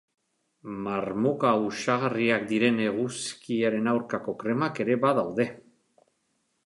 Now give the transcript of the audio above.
Marmoka uxagarriak diren eguzkiaren aurkako kremak ere badaude.